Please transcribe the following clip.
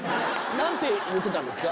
何て言うてたんですか？